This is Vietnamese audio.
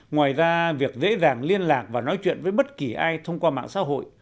ngoài ra việc dễ dàng liên lạc và nói chuyện với bất kỳ ai thông qua mạng xã hội